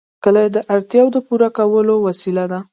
کلي د اړتیاوو د پوره کولو وسیله ده.